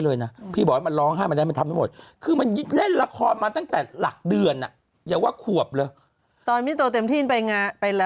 ลูกค้าต้องการของคุณแม็กเยอะมากแล้วคุณแม็กก็เอาไป